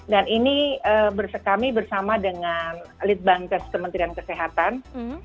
dan ini kami bersama dengan lead bankers kementerian kesehatan